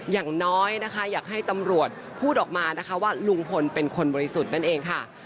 อย่างน้อยนะคะอยากให้ตำรวจพูดออกมานะคะว่าลุงพลเป็นคนบริสุทธิ์นั่นเองค่ะ